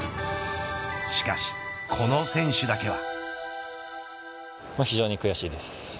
しかし、この選手だけは。